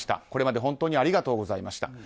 これまで本当にありがとうございました。